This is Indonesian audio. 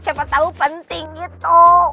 siapa tau penting gitu